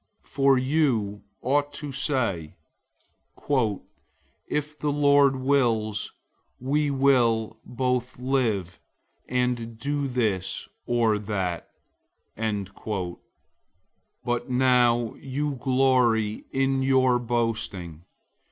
004:015 For you ought to say, "If the Lord wills, we will both live, and do this or that." 004:016 But now you glory in your boasting.